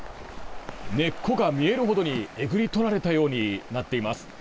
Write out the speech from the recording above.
根っこが見えるほどにえぐり取られたようになっています。